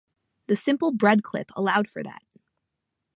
The simple bread clip allowed for that.